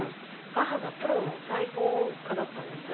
母がプロのお裁縫家だったんです。